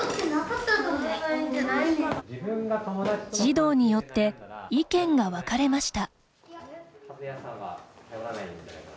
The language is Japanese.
児童によって意見が分かれました。